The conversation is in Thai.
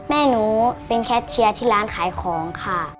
แม่หนูเป็นแคทเชียร์ที่ร้านขายของค่ะ